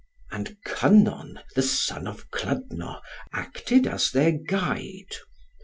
And Kynon the son of Clydno acted as their guide.